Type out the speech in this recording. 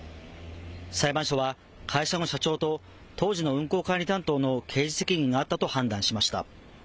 裁判所は会社の社長と当時の運行管理担当の刑事責任があったと判断しました。